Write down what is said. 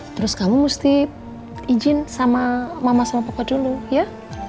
terus kamu mesti izin sama mama sama poko dulu ya